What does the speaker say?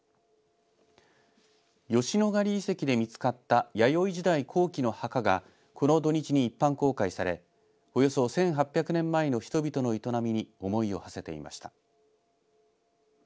吉野ヶ里遺跡で見つかった弥生時代後期の墓がこの土日に一般公開されおよそ１８００年前の人々の営みに思いをはせていました。